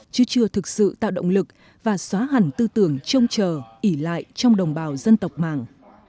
chứ chưa thực sự tạo động lực và xóa hẳn tư tưởng trông chờ ỉ lại trong đồng bào dân tộc mạng